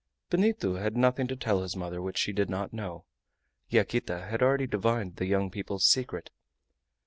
Benito had nothing to tell his mother which she did not know; Yaquita had already divined the young people's secret.